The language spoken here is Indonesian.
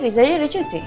rizanya udah cuti